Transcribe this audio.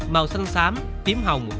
màu xanh xám tím hồng